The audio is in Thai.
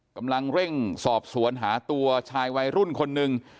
กำลังเร่งสอบสวนหาตัวชายวัยรุ่นคนหนึ่ง